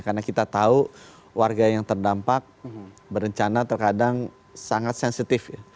karena kita tahu warga yang terdampak berencana terkadang sangat sensitif